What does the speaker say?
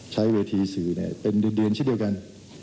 ใช้เวทีสื่อเนี่ยเป็นเดือนชิ้นเดียวกัน